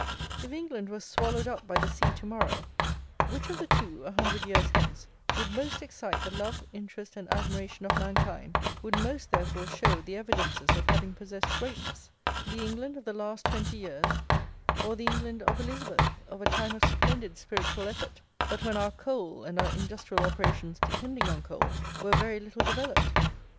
If England were swallowed up by the sea to morrow, which of the two, a hundred years hence, would most excite the love, interest, and admiration of mankind, would most, therefore, show the evidences of having possessed greatness, the England of the last twenty years, or the England of Elizabeth, of a time of splendid spiritual effort, but when our coal, and our industrial operations depending on coal, were very little developed?